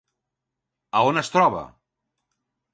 A on es troba?